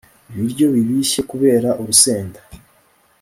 ibiryo bibishye kubera urusenda